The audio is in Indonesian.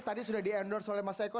tadi sudah di endorse oleh mas eko